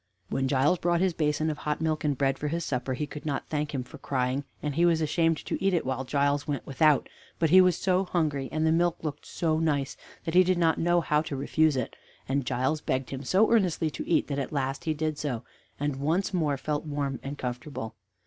When Giles brought his basin of hot milk and bread for his supper, he could not thank him for crying; and he was ashamed to eat it while Giles went without; but he was so hungry, and the milk looked so nice, that he did not know how to refuse it; and Giles begged him so earnestly to eat that at last he did so, and once more felt warm and comfortable.